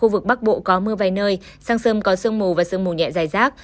mức bắc bộ có mưa vài nơi sáng sơm có sơn mù và sơn mù nhẹ dài rác